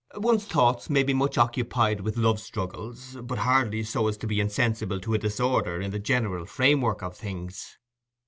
One's thoughts may be much occupied with love struggles, but hardly so as to be insensible to a disorder in the general framework of things.